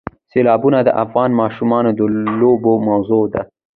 سیلابونه د افغان ماشومانو د لوبو موضوع ده.